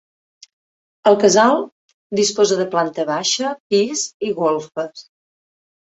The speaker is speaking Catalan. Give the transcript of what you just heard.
El casal disposa de planta baixa, pis i golfes.